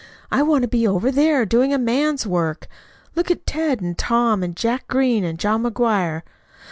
I want to be over there, doing a man's work. Look at Ted, and Tom, and Jack Green, and John McGuire!"